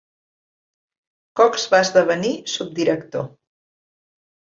Cox va esdevenir subdirector.